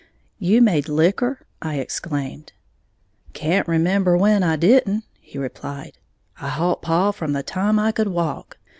"You made liquor?" I exclaimed. "Can't remember when I didn't," he replied; "I holp paw from the time I could walk.